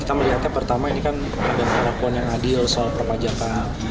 kita melihatnya pertama ini kan ada perlakuan yang adil soal perpajakan